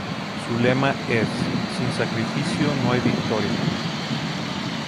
Su lema es "Sin sacrificio, no hay victoria".